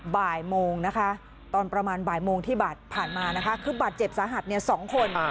บ่ายโมงนะคะตอนประมาณบ่ายโมงที่ผ่านมานะคะคือบาดเจ็บสาหัส๒คน